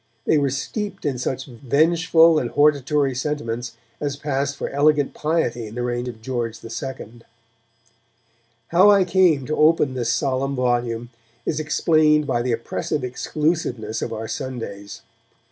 They were steeped in such vengeful and hortatory sentiments as passed for elegant piety in the reign of George II. How I came to open this solemn volume is explained by the oppressive exclusiveness of our Sundays.